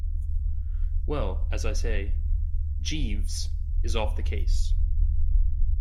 Well, as I say, Jeeves is off the case.